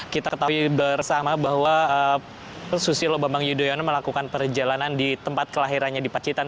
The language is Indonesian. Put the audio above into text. kita ketahui bersama bahwa susilo bambang yudhoyono melakukan perjalanan di tempat kelahirannya di pacitan